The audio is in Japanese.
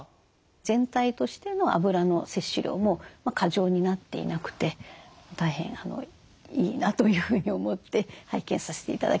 全体としてのあぶらの摂取量も過剰になっていなくて大変いいなというふうに思って拝見させて頂きました。